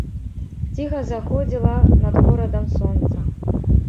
Ціха заходзіла над горадам сонца.